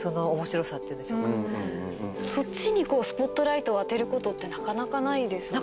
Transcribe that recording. そっちにスポットライトを当てることってなかなかないですよね。